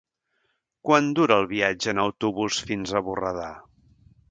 Quant dura el viatge en autobús fins a Borredà?